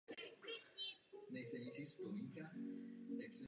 Nemá výraznější chuť ani vůni.